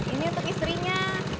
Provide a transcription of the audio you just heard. ini untuk istrinya